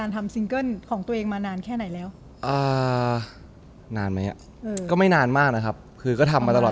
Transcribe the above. ทำมาตลอด